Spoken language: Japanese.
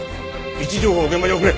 位置情報を現場に送れ！